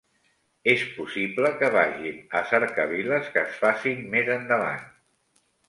És possible que vagin a cercaviles que es facin més endavant.